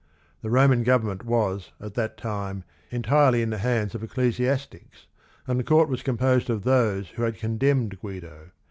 The Roman government was at that time entirely in the hands of ecclesiastics, and the court was composed of those who had condemned Guido.